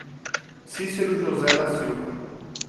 Cicero José da Silva